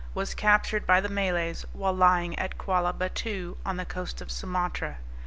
was captured by the Malays while lying at Quallah Battoo, on the coast of Sumatra.